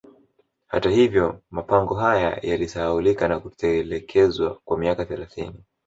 Hata hivyo mapango haya yalisahaulika na kutelekezwa kwa miaka thelathini